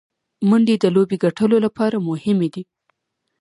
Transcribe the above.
منډې د لوبي ګټلو له پاره مهمي دي.